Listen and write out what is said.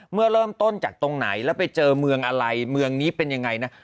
เมื่อเริ่มต้นจากตรงไหนแล้วไปเจอเมืองอะไรเมืองนี้เป็นยังไงนะ